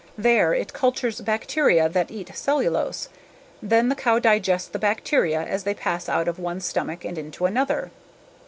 There, it cultures bacteria that eat cellulose; then the cow digests the bacteria as they pass out of one stomach and into another.